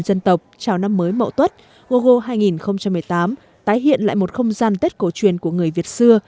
dân tộc chào năm mới mậu tuất gogo hai nghìn một mươi tám tái hiện lại một không gian tết cổ truyền của người việt xưa